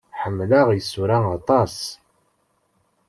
Ḥemmleɣ isura aṭas.